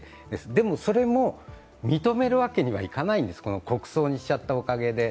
でも、それも認めるわけにはいかないんです、国葬にしちゃったおかげで。